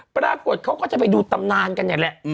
ปรากฏเค้าก็จะไปดูตำนานจริงนั้นแหละ